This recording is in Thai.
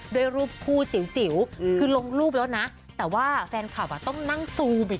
ด้วยรูปคู่จิ๋วคือลงรูปแล้วนะแต่ว่าแฟนคลับต้องนั่งซูมอีก